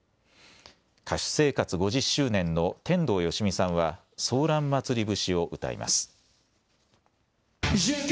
歌手生活５０周年の天童よしみさんはソーラン祭り節を歌います。